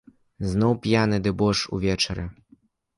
Зноў п'яны дэбош увечары.